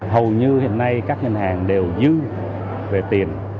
hầu như hiện nay các ngân hàng đều dư về tiền